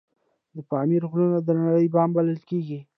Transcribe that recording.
د پامیر غرونه د نړۍ بام بلل کیږي